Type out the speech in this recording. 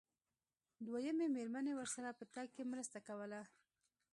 دويمې مېرمنې ورسره په تګ کې مرسته کوله.